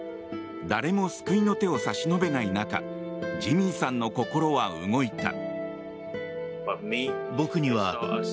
誰も救いの手を差し伸べない中ジミーさんの心は動いた。